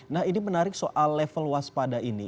nah ini menarik soal level waspada ini